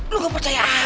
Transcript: lu ga percaya amat yaa